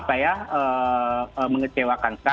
apa ya mengecewakan sekali